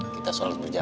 kita sholat pride ya